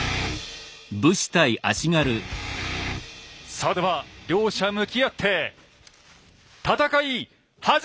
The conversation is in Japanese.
さあでは両者向き合って戦い始め！